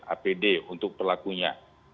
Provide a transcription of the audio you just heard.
apd untuk pelakunya